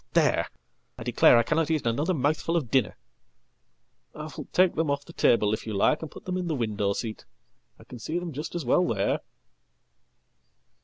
There! I declare I cannoteat another mouthful of dinner.""I will take them off the table if you like, and put them in thewindow seat. I can see them just as well there."